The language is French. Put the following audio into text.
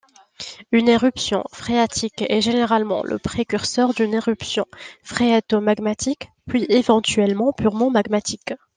Une éruption phréatique est généralement le précurseur d'une éruption phréato-magmatique, puis éventuellement purement magmatique.